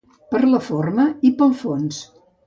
Per la forma i pel fons.